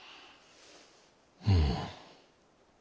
うん。